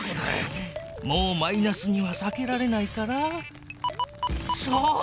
もうマイナスにはさけられないからそう！